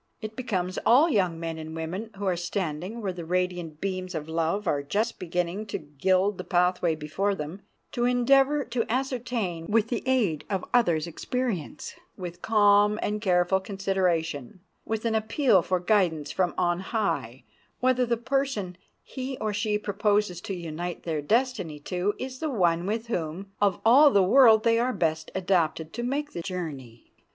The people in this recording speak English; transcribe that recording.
It becomes all young men and women, who are standing where the radiant beams of love are just beginning to gild the pathway before them, to endeavor to ascertain, with the aid of others' experience, with calm and careful consideration, with an appeal for guidance from on high, whether the person he or she proposes to unite their destiny to is the one with whom, of all the world, they are best adapted to make the journey.